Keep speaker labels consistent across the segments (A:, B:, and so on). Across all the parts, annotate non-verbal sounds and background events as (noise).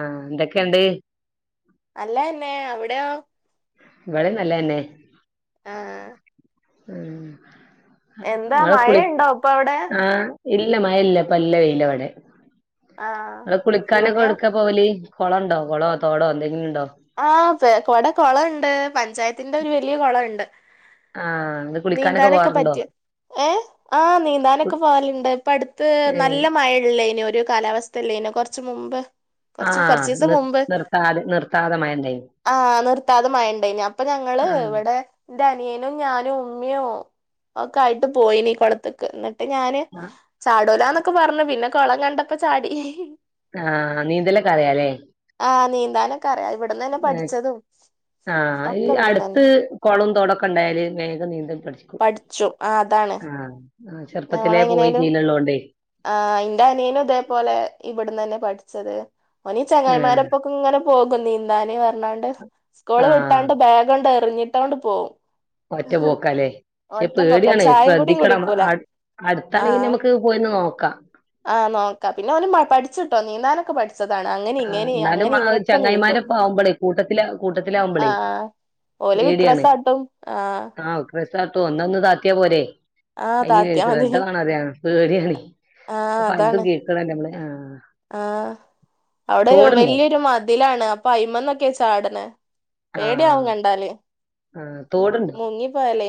A: ആഹ് എന്തൊക്കെണ്ട്
B: നല്ലെന്നെ അവിടെയോ
A: ഇവിടെ നല്ലന്നെ
B: ആഹ്
A: ഉം നിങ്ങൾ കുളി
B: മഴയുണ്ടോ ഇപ്പൊ അവിടെ
A: ആഹ് ഇല്ല മഴ ഇല്ല ഇപ്പ നല്ല വെയില ഇവിടെ
B: ആ
A: അവിടെ കുളിക്കാനൊക്കെ
B: ഇവിടെയോ
A: എവ്ടുക്കാ പോവല് കുളണ്ടോ കുളോ തോടോ എന്തെങ്കിലുണ്ടോ
B: ആഹ് ഫെ വ്ടെ കുളോണ്ട് പഞ്ചായത്തിന്റെ ഒരു വല്യയ കുളോണ്ട്
A: ആ ഇന്ന് കുളിക്കാനൊക്കെ
B: നീന്താനൊക്കെ
A: പോവാറുണ്ടോ
B: പറ്റും ഏഹ് ആഹ്
A: കു
B: നീന്താനൊക്കെ പോവലുണ്ട് ഇപ്പ അടുത്ത്
A: ഏ
B: നല്ല മഴ ള്ളെന്നു ഒരു കാലാവസ്ഥയല്ലേനു കൊർച്ച് മുമ്പ്
A: ആ
B: കൊർച് കൊർച്ചീസം
A: നിർ
B: മുമ്പ്
A: നിർത്താതെ നിർത്താതെ മഴ ഉണ്ടായിന്
B: ആഹ് നിർത്താതെ മഴയിണ്ടേനു അപ്പൊ ഞങ്ങള്
A: ആ
B: വടെ എന്റെ അനിയനും ഞാനും ഉമ്മിയും ഒക്കെ ആയിട്ട് പോയിന് കൊളത്ക്ക് ന്നട്ട് ട്ട് ഞാന് ചാടുലാന്നൊക്കെ പർഞ് പിന്നെ കൊളം കണ്ടപ്പോ ചാടി
A: ആഹ് നീന്തലൊക്കെ അറിയാല്ലേ
B: ആഹ് നീന്താനൊക്കെ അറിയാം ഇവിടന്നന്നെ പഠിച്ചതും
A: ആഹ്
B: ഒക്കെ ഇവിടന്ന് തന്നെ
A: അടുത്ത് കൊളം തോടൊക്കെ ണ്ടായല് വേഗം നീന്തൽ പഠിച്ചും
B: പഠിച്ചു ആ അതാണ്
A: ആഹ് ആ ചെറുപ്പത്തിലേ പോയി ശീലോള്ളോണ്ടേ
B: ആഹ് എന്റെ അനിയനും ഇതേപോലെ ഇവിട്ന്നന്നെ പഠിച്ചത് ഓനീ
A: ആ
B: ചങ്ങായിമാരപ്പൊക്കെ ഇങ്ങനെ പോകും നീന്താന് പർഞ്ഞാണ്ട് സ്കൂള്
A: ആ
B: വിട്ടാണ്ട് ബാഗണ്ട് എറിഞ്ഞിട്ടാണ്ട് പോകും
A: ഒറ്റ പോക്കാല്ലേ ക്ഷെ പേടിയാണ്
B: ചായേം കൂടിം
A: ശ്രദ്ധിക്കണം
B: കുടിക്കൂല
A: അട് അടുത്താണെങ്കി
B: ആഹ്
A: നമുക്ക് പോയി നോ
B: ആഹ് നോക്കാ പിന്നെ ഓൻ പഠിച്ചിട്ടോ നീന്താനൊക്കെ പഠി
A: ആഹ് ന്നാലും ആ
B: നീന്തും
A: ചങ്ങായിമാരോപ്പാവുമ്പളെ കൂട്ടത്തില് കൂട്ടത്തില് ആകുമ്പളേ
B: ആഹ് ഓല്
A: പേടിയാണ്
B: വിക്രസാട്ടും
A: ആഹ് ഒക്രെ സാട്ടു ഒന്ന് അങ്ങ് താത്തിയാ പോരേ
B: ആഹ് താത്തിയാ
A: (unintelligible)
B: മതി
A: ശ്രദ്ധ വേണം ഞങ്ങക്ക് പേടിയാണെ
B: ആഹ്
A: അതും
B: അതാണ്
A: കേക്കണല്ല നമ്മൾ ആഹ്
B: ആഹ് അവിടെ
A: തോടുണ്ടോ
B: വലിയൊരു മതിലാണ് അപ്പൊ അയിമന്നൊക്കെ ചാടണ പേടിയാവും
A: ആഹ്
B: കണ്ടാല്
A: ആഹ് തോടുണ്ടോ
B: മുങ്ങിപ്പോയാലേ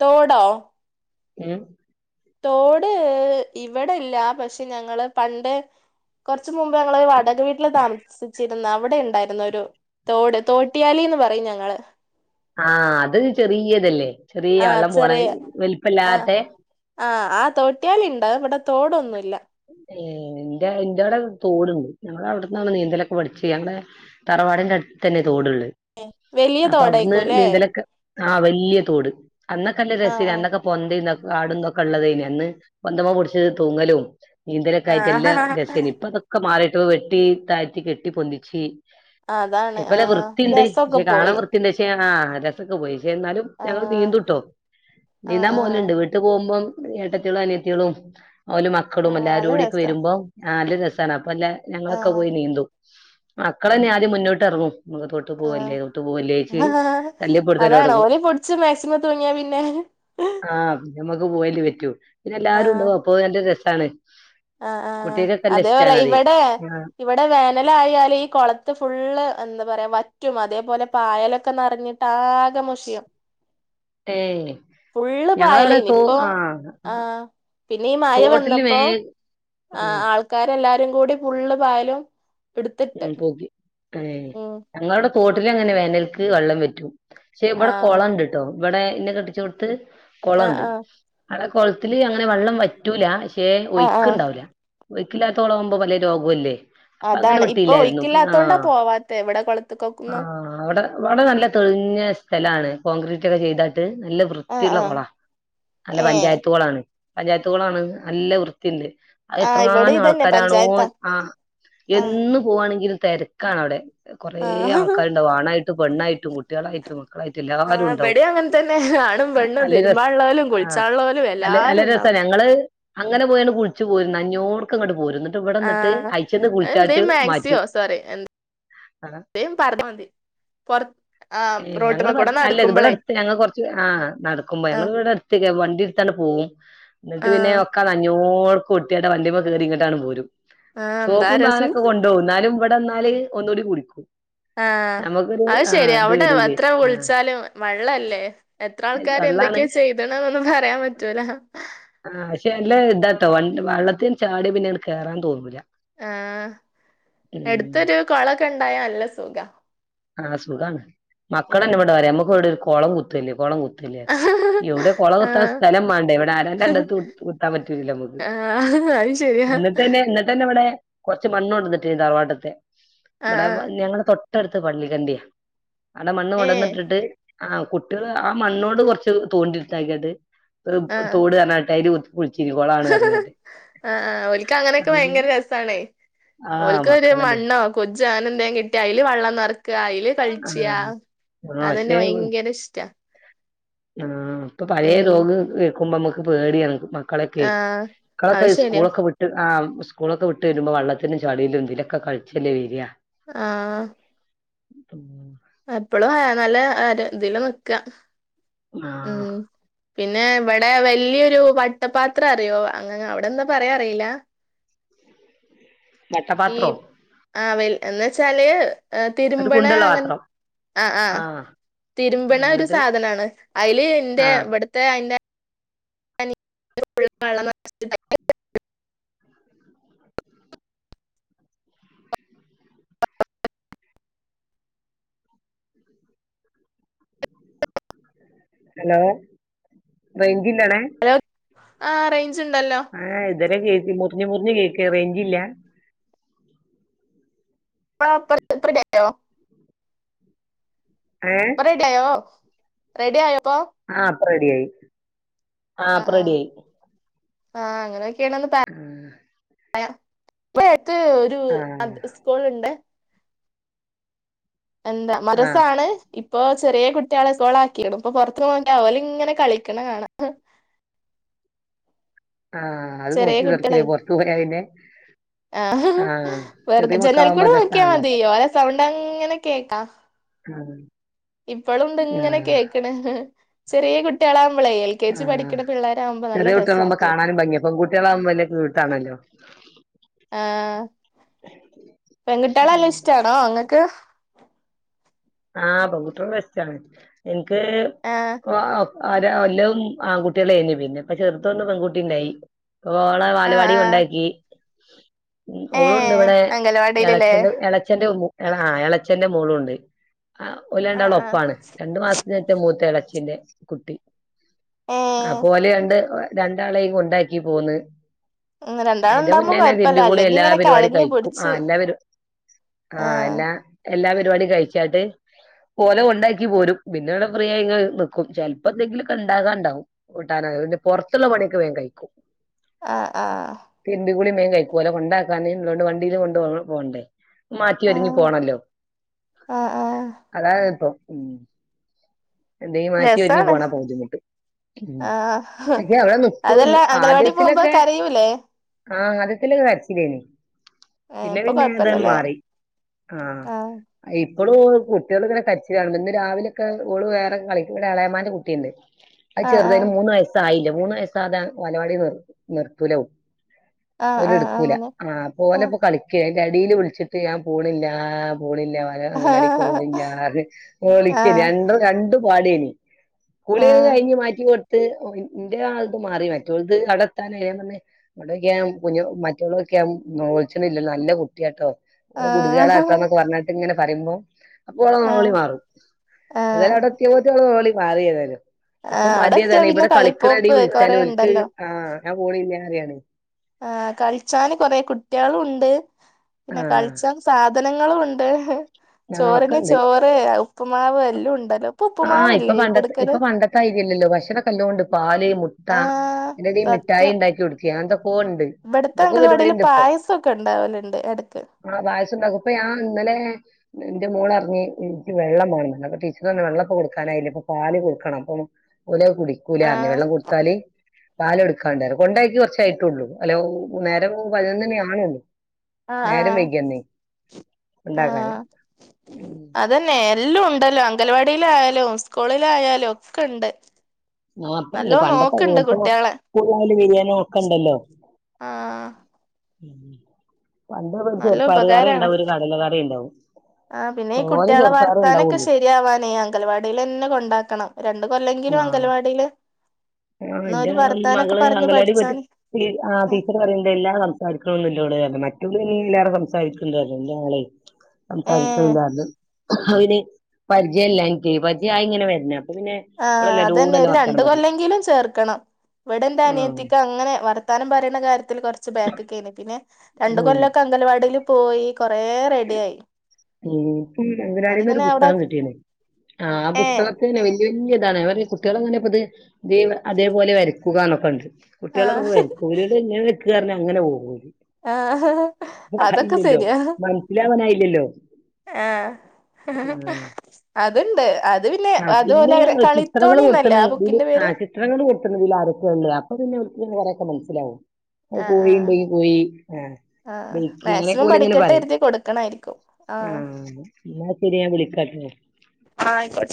B: തോടോ
A: ഉം
B: തോട് ഇവിടെ ഇല്ല പക്ഷെ ഞങ്ങൾ പണ്ട് കൊറ ച്ച് മുമ്പ് ഞങ്ങൾ ഒരു വടക വീട്ടിൽ താമസിച്ച് ന്ന് അവിടെ ഉണ്ടായിരുന്ന ഒരു തോട് തോട്ടിയാലിന്ന് പറയും ഞങ്ങൾ
A: ആഹ് അത് ചെറിയതല്ലേ ചെറിയ
B: ആ
A: വെള്ളം
B: ചെറിയ
A: പോണം വൽപ്പല്ലാത്ത
B: ആഹ് തോട്ടിയാല് ഇണ്ട് ഇവിടെ തോടൊന്നുല്ല
A: ഏ ന്റെ ന്റെവ്ടെ തോട്ണ്ട് ഞങ്ങളവിട്ന്നാണ് നീന്തലൊക്കെ പഠിചെ ഞങ്ങളെ തറവാടിന്റെ അടുത്ത് തന്നെ തോടുള്ളെ
B: വലിയ
A: അപ്പൊ അവിട്ന്ന്
B: തോടായിക്കൂല്ലേ
A: നീന്തലൊക്കെ ആഹ് വല്യ തോട് അന്നൊക്കെ ല്ല
B: ആ
A: രസ
B: ആ
A: അന്നൊക്കെ പൊന്തേൻ കാട്ന്തൊക്കെ ഉള്ളതേനി അന്ന് കൊന്തമ പിടിച്ചു തൂങ്ങലും നീന്തലൊക്കെ
B: ആ
A: ആയിട്ട് എല്ലാ രസേനി ഇപ്പ അതൊക്കെ മാറിയിട്ട് വെട്ടി താഴ്ത്തി കെട്ടി പൊന്തിച്ച്
B: അതാണ് ആ
A: ഇപ്പല്ല വൃത്തിയിണ്ട്
B: രസൊക്കെ
A: പക്ഷെ കാണാൻ
B: പോയി
A: വൃത്തിയുണ്ട് പക്ഷേ ആഹ് രസൊക്കെ പോയിക്ഷെ എന്നാലും
B: ആ
A: ഞങ്ങൾ നീന്തിട്ടോ
B: ആ
A: നീന്താൻ
B: ആ
A: പോവല്ണ്ട് വീട്ടു പോകുമ്പം ഏട്ടത്യേളും അനിയത്യേളും ഓല്
B: ആ
A: മക്കളും
B: നല്ല
A: എല്ലാരുടിയൊക്കെ
B: രസാ
A: വരുമ്പോ ആഹ് നല്ല രസാണ് വല്ല
B: ആ
A: ഞങ്ങളൊക്കെ പോയി നീന്തും മക്കളെന്നെ ആദ്യം മുന്നോട്ട് ഇറങ്ങും നമുക്ക് തോട്ട് പോവല്ലേ
B: ആഹ്
A: തോട്ട് പോവല്ലേ ചോയ്ച്
B: ആഹ്
A: ശല്യ
B: അതാണ്
A: പെട്തലൊട്ങ്ങും
B: ഓല് പൊടിച്ച് മാക്സിമം തൂങ്ങിയാ പിന്നെ
A: ആഹ് നമ്മക്ക് പോയല് പറ്റൂ പിന്നെ എല്ലാരും ഉണ്ട്
B: ആഹ്
A: അപ്പ നല്ല രസാണ്
B: ആഹ് ആഹ്
A: കുട്ടികൾക്കൊക്കെല്ല
B: അതേപോലെ
A: ഇഷ്ടാണതേ
B: ഇവിടെ
A: ആഹ്
B: ഇവിടെ വേനലായാല് ഈ കൊളത്ത് ഫുള്ള് എന്താ പറയാ വറ്റ് റ്റും അതേപോലെ പായലൊക്കെ നിറഞ്ഞിട്ട് ആകെ മുഷിയും
A: ഏഹ്
B: ഫുള്ള്
A: ഞങ്ങളവിടെ
B: പായലേനി
A: തോ
B: ഇപ്പൊ
A: ആഹ്
B: ആഹ് പിന്നെ ഈ മഴ
A: തോട്ടില് വേ
B: വന്നപ്പോ ആ
A: ആഹ്
B: ആൾക്കാരെല്ലാരും കൂടി ഫുള്ള് പായലും എടുത്തിട്ട്
A: ഉം പോക്കി ഉം ഞങ്ങളടെ തോട്ടിലങ്ങനെ വേനൽക്ക് വെള്ളം വറ്റും പക്ഷെ ഇവിടെ
B: ആഹ്
A: കൊളംണ്ട്ട്ടോ ഇവിടെ ഞെ കെട്ടിച്ചോട്ത്ത്
B: ആഹ്
A: കുളംണ്ട്
B: ആഹ്
A: അവിടെ കൊള്ത്തില് അങ്ങനെ വള്ളം വറ്റൂല പക്ഷെ
B: ആഹ് ആഹ്
A: ഒയ്ക്ക്ണ്ടാവുല ഒഴിക്കില്ലാത്തോളം ആക്മ്പോ പലേ രോഗൊല്ലേ
B: അതാണ് ഇ
A: ല്ലെര്ന്നു ആ അ
B: കൊളത്ത്ക്കൊന്നും
A: ആടെ ആടെ നല്ല തെളഞ്ഞ സ്ഥലാണ് കോൺക്രീറ്റ് ഒക്കെ ചെയ്താട്ട് നല്ല
B: ആഹ്
A: വൃത്തിള്ള
B: ആഹ്
A: കൊളാ നല്ല
B: ഏഹ്
A: പഞ്ചായത്ത് കൊളാണ് പഞ്ചായത്തുകൊളാണ് നല്ല വൃത്തിണ്ട് അത്
B: ആഹ് ഇവിടെ
A: എത്രങ്ങാനം
B: ഇതന്നെ
A: ആൾക്കാരാണോ
B: പഞ്ചായത്താ
A: ആ
B: ആഹ്
A: എന്നും ണെങ്കിലും തെരക്കാണ് അവ്ടെ കൊറേ
B: ആഹ്
A: ആൾക്കാരുണ്ടാവും ആണായിട്ടും പെണ്ണായിട്ടും കുട്ട്യേളായിട്ടും ക്കളായിട്ടും എല്ലാരും
B: ആഹ്
A: ണ്ടാവും
B: ഇബടിം അങ്ങൻ തന്നെ ആണും പെണ്ണും
A: നല്ലരസ്
B: തിരുമ്പാള്ളോലും
A: ആ
B: കുളിച്ചാള്ളോലും
A: നല്ല നല്ല
B: എല്ലാരും
A: രസ
B: ഉണ്ടാവും
A: ഞങ്ങള് അങ്ങനെ പോയാണ് കുളിച്ചു പോരും നഞ്ഞോട്ക്കങ്ങട്ട് പോരുന്നിട്ട് ഇവിടെന്നിട്ട് അയച്ചന്ന് കുളിച്ചാട്ട് മാറ്റും
B: ത്തിയോ സോറി
A: ആ
B: എ (inaudible) പറഞ്ഞാ മതി പൊർ ആഹ്
A: ഞങ്ങള്
B: റോട്ട്മ്മ
A: പറ
B: കൂടെ
A: അല്ല ഇവിടെ
B: നടക്കുമ്പളേ
A: അടുത്ത് ഞങ്ങൾ കുറച്ച് ആ നടക്കുമ്പോ ഞങ്ങൾ
B: ആഹ്
A: ഇവിടെടുത്ത് വണ്ടിയിട്തട്ട് പോകും ന്നിട്ട് പിന്നെ
B: ആഹ്
A: ഒക്കെനഞ്ഞോ ഓട്ക്ക ഒട്ടിയായിട്ട വണ്ടിമെ കേയറിങ്ങട്ടാണ് പോരും
B: ആ
A: സോപ്പും
B: എന്താരസം
A: സാധനമൊക്കെ കൊണ്ടുപോകും എന്നാലും ഇവിടെന്നാല് ഒന്നുടി കുളിക്കും
B: ആഹ അത് ശരി അവിടെ
A: വരൂലേ
B: എത്ര
A: ആ
B: കുളിച്ചാലും വെള്ളല്ലേ എത്ര ആൾക്കാര്
A: വെള്ളാണ്
B: എന്തൊക്കെയാ ചെയ്തണെന്നൊന്നും പറയാൻ പറ്റൂല
A: ആഹ് പക്ഷേ നല്ലേ ഇതാട്ടോ വ വെള്ളത്തിന് ചാടിയ പിന്നെങ്ങട്ട് കേറാൻ തോന്നൂല്ല
B: ആഹ് എടുത്തൊരു കുളക്കെ ഉണ്ടായ നല്ല സുഖ
A: ആഹ സുഖാണ്
B: ഉം
A: മക്കളെന്നെ ഇവടെപറയാ നമ്മക്ക് എവിടെ ഒരു കൊളം കുത്തല്ലേ കൊളം കുത്തല്ലേന് ഇവിടെ കൊള കുത്താൻ
B: ആഹ്
A: സ്ഥലം മാണ്ടേ ഇവിടെ ആരന്റെ കണ്ടത്ത് കുത്താൻ പറ്റൂലല്ലോ ഞമ്മക്ക്
B: ആഹ് അത് ശരിയാ
A: ഇന്നട്ടെന്നെ ഇന്നട്ടെന്നെ ഇവിടെ കുറച്ച് മണ്ണണ് കൊണ്ടനിടീണ്ട് തറവാട്ടത്തെ
B: ആഹ്
A: ഇവടെ
B: ആഹ്
A: ഞങ്ങള് തൊ ത്ത് പള്ളിക്കണ്ടിയ ആടെ മണ്ണ്
B: ഏഹ്
A: കൊണ്ടന്നിട്ടിട്ട് ആ കുട്യൾ ആ മണ്ണോണ്ട് കുറച്ച് തോണ്ടിട്താക്കിയാണ്ട് ഒരു
B: ആഹ്
A: ഒരുതോട് പറഞ്കാണ്ടയിൽ കുളിച്ചിനു ക്കോളണ് പറഞ്ഞാട്ട്
B: അ ആ ഓല്ക്ക് അങ്ങനെക്കെ ഭയങ്കര രസാണേ
A: ആഹ്
B: ഓല്ക്ക് ഒരു
A: മക്കളല്ലേ
B: മണ്ണോ കൊ സാനെന്തെങ്കിൽ കിട്ടിയ അയില് വെള്ളം നിറ ക്കാ അയിൽ കളിച്ച
A: ആഹ് ആഹ്
B: അതന്നെ ഭയങ്കര ഇഷ്ടാ
A: ആ ഇപ്പൊ പഴയെ
B: ഉം
A: രോഗം കേക്കുമ്പോ നമ്മക്ക് പേടിയാണ് കളക്കെ
B: ആഹ്
A: മക്കളോക്കെ
B: അത് ശരിയാ
A: സ്കൂളൊക്കെ വിട്ട് ആ സ്കൂളൊക്കെ വിട്ട് വരുമ്പോ വള്ളത്തിലും ചളിയിലും ഇതിലൊക്കെ കഴിച്ചല്ലേ വര്യ
B: ആ
A: (inaudible)
B: എപ്പളും അ നല്ല ആ ഇതില് നിക്ക
A: ആ
B: പിന്നെ ഇവിടെ വലിയൊരു വട്ടപാത്ര അറിയോ അങ്ങനെ അവിടെന്താ പറയാ അറിയില്ല ഈ
A: വട്ടപാത്രോ
B: ആ വല് എന്നെച്ചാല്
A: ഒരു
B: തിരുമ്പണെ
A: കുണ്ടുള്ള
B: അങ്ങ
A: പാത്രം
B: ആ ആഹ
A: ആഹ്
B: തിരുമ്പണോരു
A: എന്നിട്ട്
B: സാധനാണ് അതില്ന്റെ
A: ആഹ്
B: ഇവിടുത്തെ അതിന്റെ (inaudible)
A: ഹലോ റെയ്ഞ്ജ്ല്ലാണേ
B: ആ റെയ്
A: ആഹ് ഇതരെ കേട്ട് മുറിഞ് മുറിഞ് കേക്ക റേഞ്ചില്ല
B: പ്പ (inaudible) റെഡിയായോ
A: ഏഹ്
B: ഇപ്പോ റെഡി ആയോ റെഡി ആയോപ്പൊ
A: ആഹ് ഇപ്പ റെഡിയായി ആ ഇപ്പ റെഡി ആയി
B: ആ അങ്ങനെക്കെയാണ് ഇവിടെ ഒരു
A: ആഹ്
B: അടുത്ത് സ്കൂളുണ്ട് എന്താ
A: ആഹ്
B: മദ്രസാണ് ഇപ്പൊ ചെറിയ കുട്ടികളെ ഇപ്പോൾ ആക്കിണു ഇപ്പൊ പുറത്ത് പോവുമ്പം ആവര് ഇങ്ങനെ കളിക്കണ കാണാ
A: ശബ്ദം ക്ലിയർ അല്ല ആ അത്
B: ചെറിയ
A: നോക്കി
B: കുട്ടികളെ
A: നടക്കല പുറത്തുപോയ പിന്നെ
B: ആ
A: ആഹ്
B: വെറുതെ
A: ചെറിയ
B: ജനൽ കൂടെ
A: മക്കളാവുമ്പോ
B: നോക്കിയാൽ
A: രസാണല്ലോ
B: മതിയോ ഓര സൗണ്ട് അങ്ങനെ കേക്കാം
A: ആ
B: ഇപ്പോളും ഇണ്ട് ഇങ്ങനെ കേക്കണ് ചെറിയ കുട്ടികളാ എൽ കെ ജി
A: ആഹ്
B: പഠിക്കുന്ന പിള്ളോരാവുമ്പോ നല്ല
A: ചെറിയ കുട്ടികളാകുമ്പോ
B: രസമാക്കി വക്കും
A: കാണാനും ഭംഗിയാ പെൺകുട്ടികളാകുമ്പോ വല്യ ക്യൂട്ടാണല്ലോ
B: ആഹ് പെൺകുട്ടിയേള ല്ല ഇഷ്ടാണോ ഇങ്ങക്ക്?
A: ആഹ് പെൺകുട്ടിയേളല്ല ഇഷ്ടാണ് ഇൻക്ക്
B: ആഹ്
A: ഒ ഒ ആ ഒര എല്ലവും ആൺകുട്ടികളേനി പിന്നെ അപ്പ ചെർതൊന് പെൺകുട്ടി ണ്ടായി. ഓളെ
B: ആഹ്
A: ബാലവാടി
B: ആഹ്
A: കൊണ്ടയാക്കി ഉം ഓളുണ്ട്
B: ഏഹ്
A: ഇവടെ.
B: അംഗലവാടിയിലല്ലേ
A: എളച്ചന്റെ എളച്ചന്റെ മു ആഹ് എളച്ചന്റെ മോളൂണ്ട്. ആഹ്
B: ആഹ്
A: ഓലണ്ടാളും
B: ആഹ്
A: ഒപ്പാണ് രണ്ടു മാസത്തിനോ റ്റോ മൂത്ത എളച്ചിന്റെ കുട്ടി
B: ഏഹ്
A: അപോല് രണ്ട് രണ്ടാളെയും കൊണ്ടാക്കി പോന്ന്.
B: ഉം
A: അയിന്റെ
B: രണ്ടാളുണ്ടാവുമ്പോ
A: മുന്നേന്നെ
B: കൊഴപ്പല്ല
A: തിരുമ്പി കുളി
B: അല്ലെങ്കി
A: എല്ലാ
B: ഇങ്ങനെ
A: പരിപാടി
B: കരഞ്ഞ്
A: കഴിക്കും
B: പിടിച്ച്
A: ആഹ് എല്ലാ പര് ആഹ് എല്ലാ എല്ലാ പരിപാടിം കഴിച്ചാട്ട് ഇപോലെ കെണ്ടയാക്കി പോരും പിന്നെ ഇവടെ ഫ്രീയായി നിക്കും ചെൽപ്പന്തെങ്കിലൊക്കെ ഉണ്ടാകാണ്ടാവും കൂട്ടാനോ അഹ് ദ് പൊർത്തുള്ള പണിയൊക്കെ വേം കയിക്കും.
B: ആഹ് ആഹ്
A: കുളി വേഗം കഴിക്കും ഓല കൊണ്ടാക്കാന് തൊണ്ട് വണ്ടീയിലും കൊണ്ട് പോകണ്ടേ? മാറ്റി ഒരുങ്ങി
B: ആഹ്
A: പോണല്ലോ
B: ആഹ് ആഹ്
A: അതാണ് ഇപ്പൊ ഉം എന്തങ്കിലും മാറ്റി ഒരുങ്ങി
B: രസാണ്
A: പോണ ബുദ്ധിമുട്ട് ഉ
B: ആഹ്
A: പിന്നെ അവിടെ നിക്കു
B: അതല്ല അംഗലവാടി പോകുമ്പോ
A: ആദ്യത്തിലൊക്കെ
B: കരയൂലേ
A: ആ ആദ്യത്തില് കരച്ചില്ലേനി
B: ഏഹ്
A: പിന്നെ
B: ഇപ്പൊ
A: പിന്നെ അത്
B: കൊഴപ്പല്ലല്ലേ
A: മാറി ആ
B: ആഹ്
A: (unintelligible) ഓള് കുട്ടികൾ ഇങ്ങനെ കരച്ചിലാര്ന്ന് ഇന്ന് രാവിലൊക്കെഓള് വേറെ കളിക്കും ഇവിടെ അളേമാന്റെ കുട്ടീണ്ട് അത്
B: ആഹ്
A: ചെറുതായിന്
B: ആഹ്
A: മൂന്ന് വയസ്സായില്ല മൂന്ന് വയസ് ആകാതെ ബാലവാടി നിർ നിർത്തൂല
B: ആഹ്
A: ഓര്
B: ആഹ്
A: എടുക്കൂല
B: അങ്ങനെ
A: ആ പോലെ ഇപ്പോ കളിക്കേ ഇടയിൽ വിളിച്ചിട്ട് ഞാൻ പോണില്ല പോണില്ല അങ്ങനെ അംഗനവാടി
B: ആഹ്
A: പോണില്ല
B: ആഹ്
A: പൊളിക്കരണ്ടും രണ്ടും പാളിയനി കുളി ഒക്കെ
B: ആഹ്
A: കഴിഞ്ഞ് മാറ്റിട്ട എന്റെ ആൾക് മാറി മറ്റത് ആട എത്താൻ പറ അവിടക്ക മറ്റുള്ള നോച്ചല്ല നല്ല കുട്ടിട്ടോ ഓ ഗുഡ്
B: ആഹ്
A: ഗേൾകേളാട്ടാന്നൊക്കെ പറഞ്ഞിട്ട് ഇങ്ങനെ പറയുമ്പോ അപ്പൊ അവിടെ
B: ആഹ്
A: മോളി മാറും എതായാലും
B: ആഹ്
A: അവിടെ ഒക്ക പോടെ മോളി മാറി ഏതായാലും ഇപ്പ
B: ആഹ് അവിടെ എത്തിയാ
A: മടിതാണ്
B: പിന്നെ
A: ഇവിടെ കളിക്കണടി
B: കളിപ്പോപ്പ്
A: വിളിച്ചാല്
B: കൊറേ
A: ഓൾക്ക്
B: ഇണ്ടല്ലോ
A: ആ ഞാൻ പോണില്ല പറയാണ്
B: ആഹ് കളിച്ചാന് കൊറേ കുട്ട്യാളും ഉണ്ട് പിന്നെ
A: ആഹ്
B: കളിച്ചാൻ സാധനങ്ങളും ഉണ്ട് ചോറിന് ചോറ് ഉപ്പ്മാവ്
A: ആ ഇപ്പൊ പണ്ട
B: കൊടുക്കല്
A: ഇപ്പൊ പണ്ടത്തായിരിക്കില്ലല്ലോ ഭക്ഷണമൊക്കെ നല്ലോണമുണ്ട് പാല് മുട്ട
B: ആഹ്
A: അ മിഠായി
B: സത്യം
A: ഉണ്ടാക്കി കൊടുക്കു
B: ഇവിടുത്തെ അംഗനവാടിയില് പായസം ഒക്കെ ഉണ്ടാവലുണ്ട് എടക്ക്
A: ആ പായസം ഉണ്ടാക്കും ഇപ്പ ഞാൻ ഇന്നലെ എന്റെ മോളറിഞ്ഞ് എനിക്ക് വെള്ളമാണ്ണന്ന് ടീച്ചർ പറഞ്ഞ് വെള്ളപ്പൊ കൊടുക്കാനായില്ല ഇപ്പൊ പാല് കൊടുക്കണം ഉം ഓല് കുടിക്കൂല
B: ആഹ്
A: വെള്ളം കൊടുത്താല് പാലം എടുക്കാണ്ടായി കൊണ്ടാക്കി കുറച്ചായിട്ടള്ളു അല്ല നേരം പതിനൊന്ന്മണിആവുന്നേയുളളു
B: ആഹ്
A: നേരം
B: ആഹ്
A: വെയ്കി അന്നേ ഉണ്ടാക്കാന്
B: അതെന്നെ എല്ലും ഉണ്ട ല്ലോ അങ്കൽവാടീലായാലും ഉസ്കൂളിലായാലും ഒക്കെണ്ട്
A: ആഹ് ഇപ്പണ്ട് പണ്ടത്തെയ്രില്ല പ്പാെ (unintelligible) ബിര്യാണിം ഒക്കെണ്ടല്ലോ
B: ആഹ്
A: പിന്നെ പണ്ട് നമ്ക്ക്
B: നല്ല
A: ചെർപ്പയ്റ്
B: ഉപകാരാണ്
A: കറിണ്ടാവും ഒര് കടലകറീണ്ടാവും
B: ആഹ് പിന്നെ ഈ കുട്ട്യാളെ വർത്താനൊക്കെ ശെര്യാവാനേ അങ്കൽവാടീലെന്നെ കൊണ്ടാക്കണം രണ്ട് കൊല്ലെങ്കിലും
A: ആഹ്
B: അങ്കൽവാടീല്
A: ആഹ് ഇന്റെ മകള് അങ്കലാടി പോയ്ട്ട്
B: പഠിച്ചാന്
A: ടീ ആഹ് ടീച്ചറ് പറീണ്ട് വെല്ലാ സംസാരിക്ക്ണൊന്നുല്ല ഓള് മറ്റു (unintelligible) ല്ലേറെ സംസാരിക്ക്ണ്ട്ർഞ്ഞ് ന്റെ മോളെ
B: ഏഹ്
A: സംസാരിക്ക്ണ്ല്ലാർഞ്ഞ് അവന് പര്ജയല്ലാഞ്ഞിട്ടോ പര്ജയായിങ്ങനെ വര്ണം
B: ആഹ് അതെന്നെ ഒര് രണ്ട് കൊല്ലെങ്കിലും ചേർക്കണം വടെന്റെ
A: ആഹ്
B: അനിയത്തിക്കങ്ങനെ വർത്താനം പറീണ കാര്യത്തില് കൊർച്ച് ബാക്ക്ക്കേനി പിന്നെ രണ്ട
A: ഉം
B: കൊല്ലമൊക്കെ അംഗലവാടിൽ പോയി കൊറെേ റെഡിയായി
A: അങ്കനാടിന്നൊ ഒരു
B: അതിങ്ങനെ അവടെ
A: പുസ്തകം കിട്ടിയന്ന ആ ആ
B: ഏഹ്
A: പുസ്തകത്തി വലിയതാണ് അവരുടെ കുട്ടികളെ തങ്ങനെ ഇപ്പ ഇത് ഇത അതേപോലെ വരക്കുകന്നൊക്കെണ്ട് കുട്ടിക്കൾ ഒക്കെ പ്പോ
B: ആഹ്
A: വരക്കോ ഇങ്ങനെ നിക്ക് പറഞ്ഞ അങ്ങനെ പോവും
B: ആഹ് അതൊക്കെ
A: യായില്ലല്ലോ മനസില അവനായില്ലല്ലോ
B: ആ അതുണ്ട് ആ
A: ആ പിന്നെ ചിത്രങ്ങൾ കൊടുത്തുണ്
B: ആ
A: ഇതിൽ
B: ബുക്കിന്റെ
A: ആ
B: പേര്
A: ചിത്രങ്ങൾ കൊടുത്തണതിൽ ആരൊക്കെ ഉണ്ട് അപ്പൊ പിന്നെ റൊക്കെ മനസ്സിലാവും
B: ആഹ്
A: കോഴ
B: ആഹ്
A: ഉണ്ടെങ്കിൽ കോഴി ആ
B: ആഹ്
A: ബായിക്കാക്കി ഇങ്ങനെ
B: മാക്സിമം
A: ഓൽ
B: പഠിക്കട്ടെ
A: പറയും
B: കരുതി കൊടുക്കണായിരിക്കും ആഹ്
A: ആ ശരി ഞാ വിളിക്കാട്ടെ
B: ആ ആയിക്കോ